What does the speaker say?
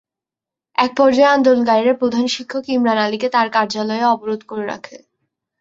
একপর্যায়ে আন্দোলনকারীরা প্রধান শিক্ষক ইমরান আলীকে তাঁর কার্যালয়ে অবরোধ করে রাখে।